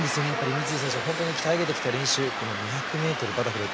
三井選手が鍛え上げてきた２００ｍバタフライ